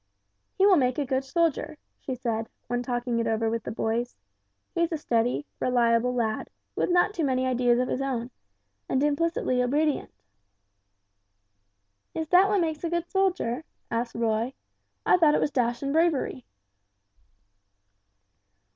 "He will make a good soldier," she said, when talking it over with the boys; "he is a steady, reliable lad, with not too many ideas of his own, and implicitly obedient." "Is that what makes a good soldier?" asked Roy. "I thought it was dash and bravery."